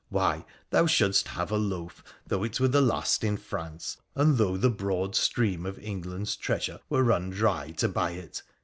Why, thou shouldst have a loaf though it were the last in France, and though the broad stream of England's treasure were run dry to buy it.